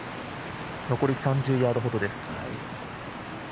残り３０ヤードほどです。